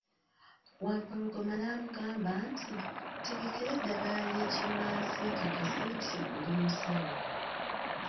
Wampologoma n'amugamba nti, ntegekera eddagala ly'ekinnansi nkakase nti oli musawo.